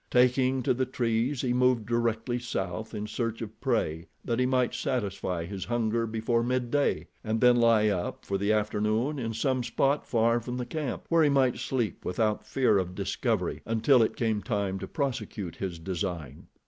Taking to the trees, he moved directly south in search of prey, that he might satisfy his hunger before midday, and then lie up for the afternoon in some spot far from the camp, where he might sleep without fear of discovery until it came time to prosecute his design.